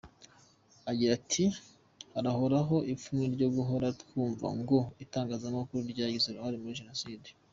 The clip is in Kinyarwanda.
Agira ati “Hahoraho ipfunwe ryo guhora twumva ngo itangazamakuru ryagize uruhare muri Jenoside.